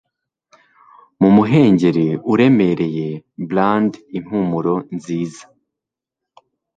Mumuhengeri uremereye bland impumuro nziza